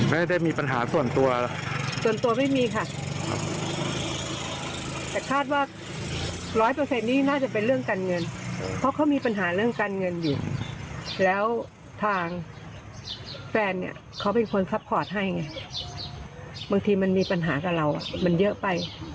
บางทีมันมีปัญหาแต่เรามันเยอะไป